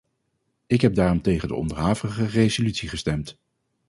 Ik heb daarom tegen de onderhavige resolutie gestemd.